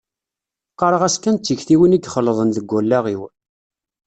Qqareɣ-as kan d tiktiwin i ixelḍen deg wallaɣ-iw.